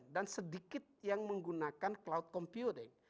dan sedikit yang menggunakan cloud computing